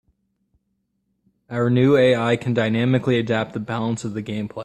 Our new AI can dynamically adapt the balance of the gameplay.